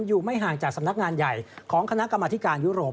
อยู่ไม่ห่างจากสำนักงานใหญ่ของคณะกรรมธิการยุโรป